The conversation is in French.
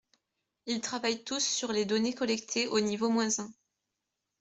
Ils travaillent tous sur les données collectées au niveau moins un.